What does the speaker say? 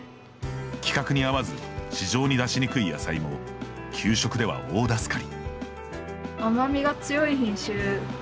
規格に合わず市場に出しにくい野菜も給食では大助かり。